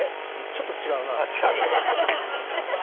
ちょっと違うな。